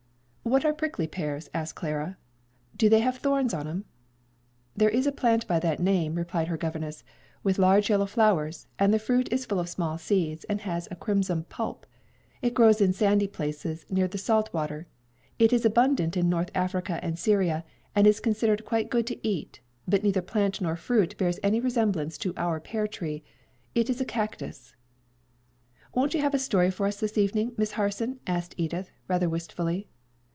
"What are prickly pears?" asked Clara. "Do they have thorns on 'em?" "There is a plant by this name," replied her governess, "with large yellow flowers, and the fruit is full of small seeds and has a crimson pulp. It grows in sandy places near the salt water; it is abundant in North Africa and Syria, and is considered quite good to eat; but neither plant nor fruit bears any resemblance to our pear trees: it is a cactus." "Won't you have a story for us this evening, Miss Harson?" asked Edith, rather wistfully.